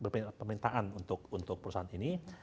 pemerintahan untuk perusahaan ini